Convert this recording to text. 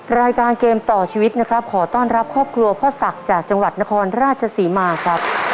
รายการเกมต่อชีวิตนะครับขอต้อนรับครอบครัวพ่อศักดิ์จากจังหวัดนครราชศรีมาครับ